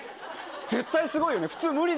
絶対すごいよね。